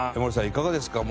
いかがですか？